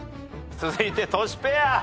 続いてトシペア。